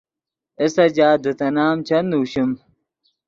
اے سجاد دے تے نام چند نوشیم۔